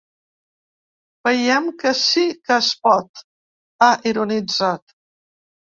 Veiem que sí que es pot, ha ironitzat.